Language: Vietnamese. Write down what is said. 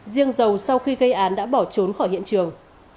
riêng dầu sau khi gây án đã bỏ trốn khỏi hiện trường